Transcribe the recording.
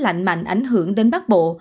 không khí lạnh mạnh ảnh hưởng đến bắc bộ